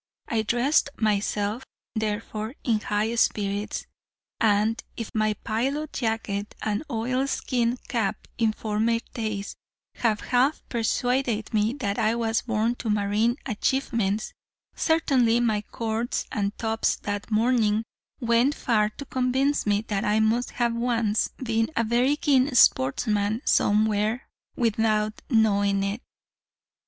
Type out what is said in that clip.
I dressed myself, therefore, in high spirits; and if my pilot jacket and oil skin cap in former days had half persuaded me that I was born for marine achievements, certainly my cords and tops, that morning, went far to convince me that I must have once been a very keen sportsman somewhere, without knowing it.